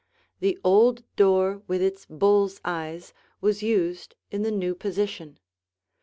The old door with its bull's eyes was used in the new position.